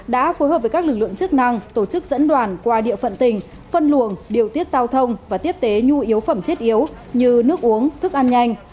đã phối hợp với các lực lượng chức năng tổ chức dẫn đoàn qua địa phận tỉnh phân luồng điều tiết giao thông và tiếp tế nhu yếu phẩm thiết yếu như nước uống thức ăn nhanh